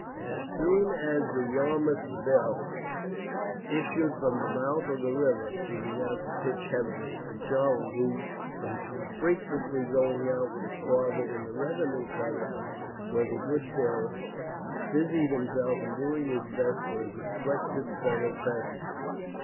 As soon as the Yarmouth Belle issued from the mouth of the river, she began to pitch heavily; and Charlie, who from frequently going out with his father in the revenue cutter, was a good sailor, busied himself in doing his best for his afflicted fellow passengers.